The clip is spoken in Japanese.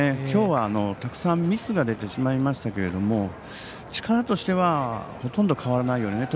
きょうは、たくさんミスが出てしまいましたけれども力としてはほとんど変わらないような。